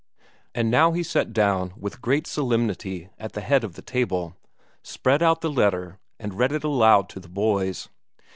And now he sat down with great solemnity at the head of the table, spread out the letter, and read it aloud to the boys.